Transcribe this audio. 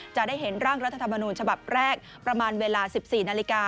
จะได้เห็นร่างรัฐธรรมนูญฉบับแรกประมาณเวลา๑๔นาฬิกา